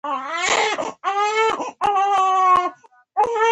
احمد د ژوند سړې او تودې وليدې؛ اوس پر ځمکه خولې لګوي.